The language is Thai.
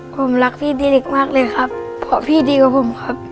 ผมรักพี่พี่เล็กมากเลยครับเพราะพี่ดีกว่าผมครับ